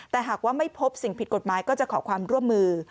แต่หากว่าไม่พบสิ่งผิดกฎหมายก็จะขอความร่วมมือ